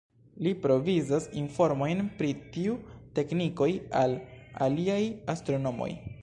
Li provizas informojn pri tiu teknikoj al aliaj astronomoj.